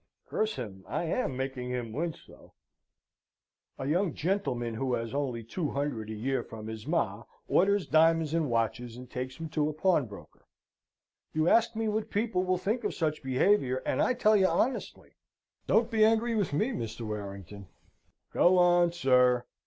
(Curse him, I am making him wince, though.) A young gentleman, who has only two hundred a year from his ma', orders diamonds and watches, and takes 'em to a pawnbroker. You ask me what people will think of such behaviour, and I tell you honestly. Don't be angry with me, Mr. Warrington." "Go on, sir!"